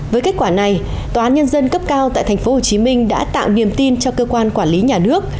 với kết quả này tòa án nhân dân cấp cao tại tp hcm đã tạo niềm tin cho cơ quan quản lý nhà nước